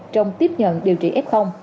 trong tiếp nhận điều trị f